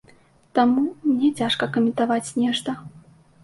Таму, мне цяжка каментаваць нешта.